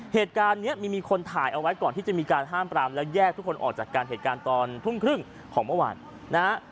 เหตุการณ์นี้มีคนถ่ายเอาไว้ก่อนที่จะมีการห้ามปรามแล้วแยกทุกคนออกจากการเหตุการณ์ตอนทุ่มครึ่งของเมื่อวานนะฮะ